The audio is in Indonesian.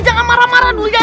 jangan marah marah dulu ya